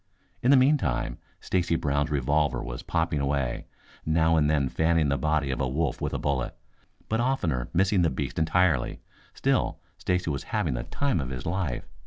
In the meantime Stacy Brown's revolver was popping away, now and then fanning the body of a wolf with a bullet, but oftener missing the beast entirely. Still, Stacy was having the time of his life.